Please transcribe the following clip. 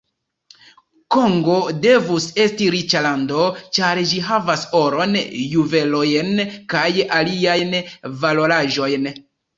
Kongo devus esti riĉa lando, ĉar ĝi havas oron, juvelojn kaj aliajn valoraĵojn.